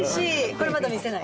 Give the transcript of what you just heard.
これまだ見せない？